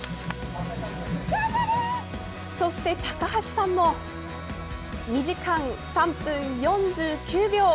そして、高橋さんも２時間３分４９秒。